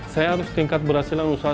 saya harus tingkat berhasilan usaha